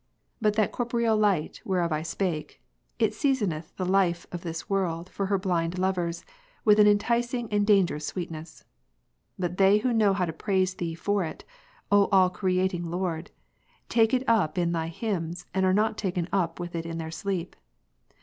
But that corporeal light ^'^' whereof I spake, it seasoneth the life of this world for her 15 4. blind lovers, with an inticing and dangerous sweetness. But they who know how to prais^ Thee for it, " O All creating Lord ''," take it up ^ in Thy hymns, and are not taken up wuth it in their sleep.